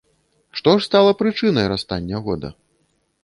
Што ж стала прычынай расстання года?